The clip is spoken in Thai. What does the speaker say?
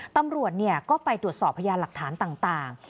ตำรวจก็ไปตรวจสอบพยานหลักฐานต่าง